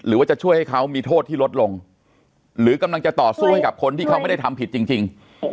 หรือว่าจะช่วยให้เขามีโทษที่ลดลงหรือกำลังจะต่อสู้ให้กับคนที่เขาไม่ได้ทำผิดจริง